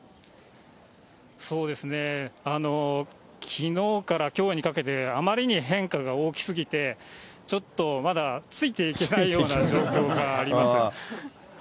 そうですね、きのうからきょうにかけて、あまりに変化が大きすぎて、ちょっとまだ、ついていけないような状況があります。